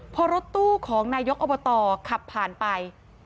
พอรถตู้ของนายกอบตขับผ่านไป